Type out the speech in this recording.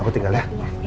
aku tinggal ya